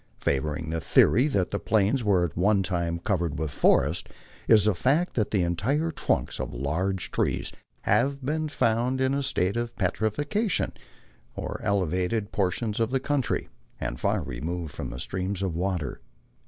Favoring the theory that the Plains were at one time covered with forests, is the fact that entire trunks of large trees have been found in a state of petrifaction on elevated portions of the country, and far removed from streams of water.